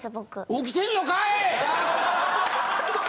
起きてんのかい！